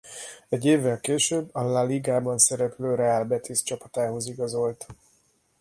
Egy évvel később a La ligában szereplő Real Betis csapatához igazolt.